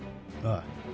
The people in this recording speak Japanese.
ああ。